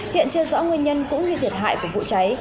hiện chưa rõ nguyên nhân cũng như thiệt hại của vụ cháy